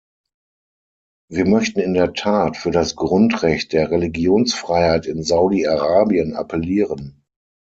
Wir möchten in der Tat für das Grundrecht der Religionsfreiheit in Saudi-Arabien appellieren.